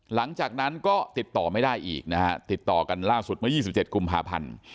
หลังจากนั้นก็ติดต่อไม่ได้อีกนะฮะติดต่อกันล่าสุดเมื่อ๒๗กุมภาพันธ์